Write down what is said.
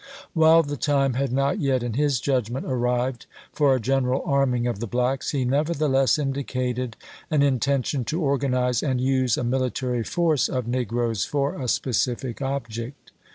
While the time had not yet, in his judgment, arrived for a general arming of the blacks, he nevertheless indicated an intention to organize and use a military force of negi oes for a specific object.